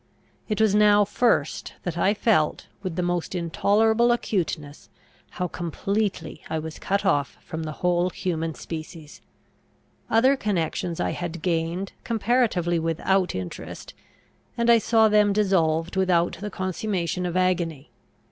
It was now first, that I felt, with the most intolerable acuteness, how completely I was cut off from the whole human species. Other connections I had gained, comparatively without interest; and I saw them dissolved without the consummation of agony.